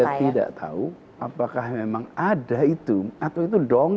dan saya juga tidak tahu apakah memang ada itu atau itu dong